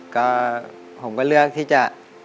ก็ผมก็เลือกที่จะ